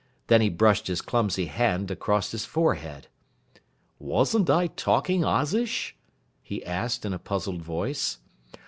Then he brushed his clumsy hand across his forehead. "Wasn't I talking Ozish?" he asked in a puzzled voice.